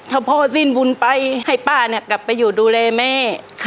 เท่าพ่อชิ้นบุญไฟ้ให้ป๊ากลับไปอยู่ดูเรข์แม่